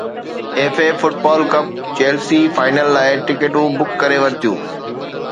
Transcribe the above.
FA football cup Chelsea final لاءِ ٽڪيٽون book ڪري ورتيون